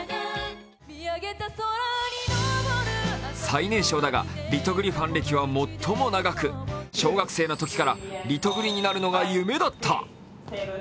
最年少だがリトグリファン歴は最も長く小学生のときからリトグリになるのが夢だった。